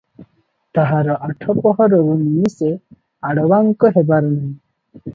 ତାହାର ଆଠ ପହରରୁ ନିମିଷେ ଆଡ଼ବାଙ୍କ ହେବାର ନାହିଁ ।